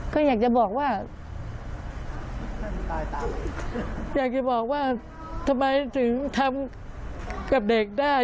ก็อยากจะบอกว่าอยากจะบอกว่าทำไมถึงทำกับเด็กได้